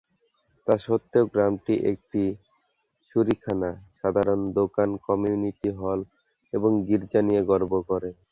তা সত্ত্বেও, গ্রামটি একটি শুঁড়িখানা, সাধারণ দোকান, কমিউনিটি হল এবং গির্জা নিয়ে গর্ব করে।